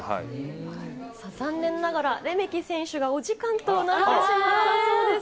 残念ながらレメキ選手が、お時間となってしまったそうです。